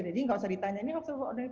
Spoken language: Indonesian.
jadi nggak usah ditanya ini hoax apa enggak